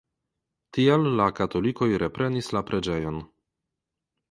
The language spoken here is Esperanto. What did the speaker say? Tial la katolikoj reprenis la preĝejon.